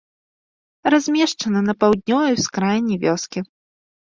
Размешчана на паўднёвай ускраіне вёскі.